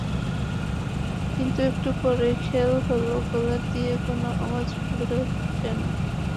কিন্তু একটু পরেই খেয়াল হলো, গলা দিয়ে কোনো আওয়াজ বেরোচ্ছে না।